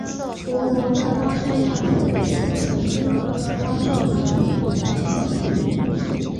薄膜的拉伸导致样品分子和拉伸方向取向一致。